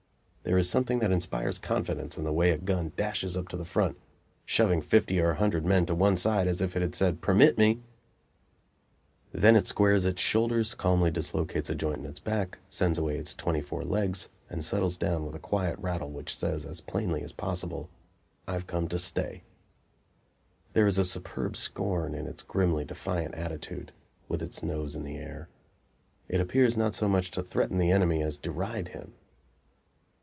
There is something that inspires confidence in the way a gun dashes up to the front, shoving fifty or a hundred men to one side as if it said, "Permit me!" Then it squares its shoulders, calmly dislocates a joint in its back, sends away its twenty four legs and settles down with a quiet rattle which says as plainly as possible, "I've come to stay." There is a superb scorn in its grimly defiant attitude, with its nose in the air; it appears not so much to threaten the enemy as deride him.